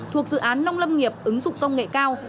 thuộc dự án nông lâm nghiệp ứng dụng công nghệ cao